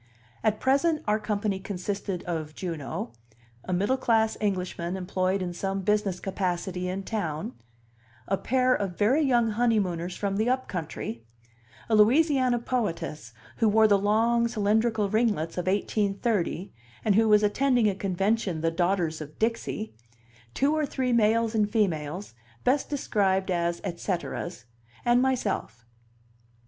At present our company consisted of Juno; a middle class Englishman employed in some business capacity in town; a pair of very young honeymooners from the "up country"; a Louisiana poetess, who wore the long, cylindrical ringlets of 1830, and who was attending a convention the Daughters of Dixie; two or three males and females, best described as et ceteras; and myself.